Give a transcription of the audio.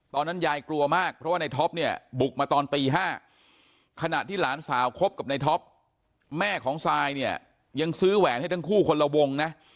ตอนนั้นยายกลัวมากเพราะว่าในท็อปเนี่ยบุกมาตอนตี๕ขณะที่หลานสาวคบกับในท็อปแม่ของซายเนี่ยยังซื้อแหวนให้ทั้งคู่คนละวงนะ